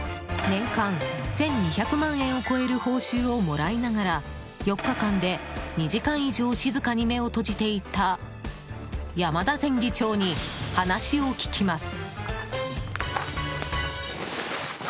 年間１２００万円を超える報酬をもらいながら４日間で２時間以上静かに目を閉じていた山田前議長に話を聞きます。